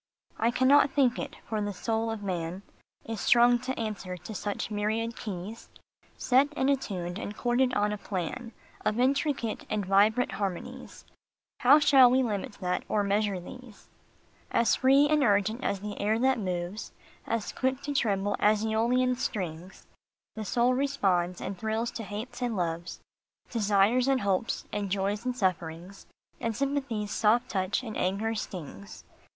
I cannot think it ; for the soul of man Is strung to answer to such myriad keys Set and attuned and chorded on a plan Of intricate and vibrant harmonies, How shall we limit that, or measure these ? 202 UNEXHA USTED. As free and urgent as the air that moves, As quick to tremble as yEolian strings, The soul responds and thrills to hates and loves, Desires and hopes, and joys and sufferings, And sympathy s soft touch and anger s stings.